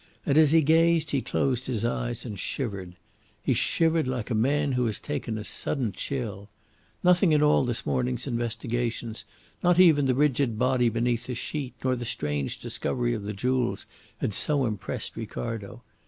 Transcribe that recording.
And, as he gazed, he closed his eyes and shivered. He shivered like a man who has taken a sudden chill. Nothing in all this morning's investigations, not even the rigid body beneath the sheet, nor the strange discovery of the jewels, had so impressed Ricardo.